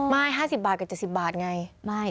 ไม่๕๐บาทก็จะ๑๐บาทไง